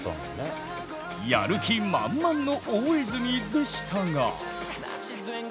やる気満々の大泉でしたが。